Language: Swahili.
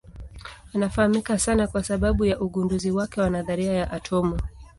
Anafahamika sana kwa sababu ya ugunduzi wake wa nadharia ya atomu.